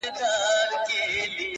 • سپی دي څنکه ښخوی د مړو خواته,